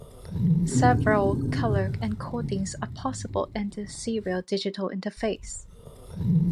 Several color encodings are possible in the serial digital interface.